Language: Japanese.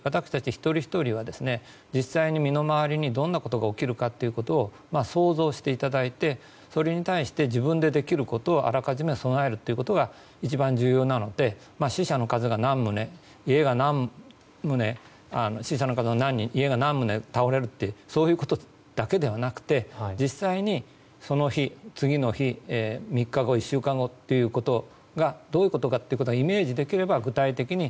一人ひとりは実際に身の回りに、どんなことが起きるかということを想像していただいてそれに対して自分でできることをあらかじめ備えるということが一番重要なので死者の数が何人家が何棟、倒れるとかそういうことだけではなくて実際にその日、次の日３日後、１週間後ということがどういうことかということをイメージできれば具体的に